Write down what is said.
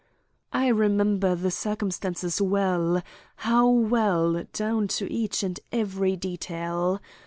"'I remember the circumstances well, how well down to each and every detail.